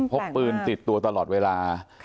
พกปืนติดตัวตลอดเวลา